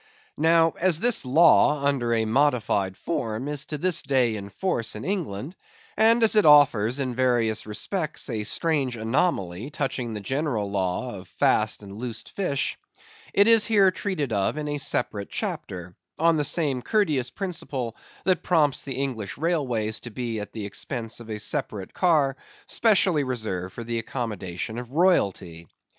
Now as this law, under a modified form, is to this day in force in England; and as it offers in various respects a strange anomaly touching the general law of Fast and Loose Fish, it is here treated of in a separate chapter, on the same courteous principle that prompts the English railways to be at the expense of a separate car, specially reserved for the accommodation of royalty.